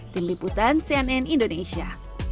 tim liputan cnn indonesia